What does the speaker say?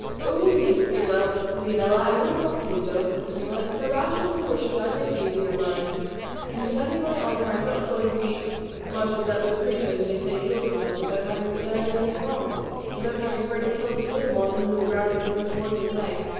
"Go in peace, dear Leonela, I will not do so," said Camilla, "for rash and foolish as I may be, to your mind, in defending my honour, I am not going to be so much so as that Lucretia who they say killed herself without having done anything wrong, and without having first killed him on whom the guilt of her misfortune lay.